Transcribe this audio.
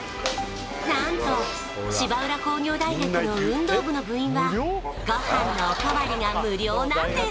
なんと芝浦工業大学の運動部の部員はご飯のおかわりが無料なんです